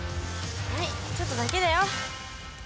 はいちょっとだけだよ。